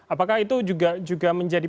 apakah itu juga menjadi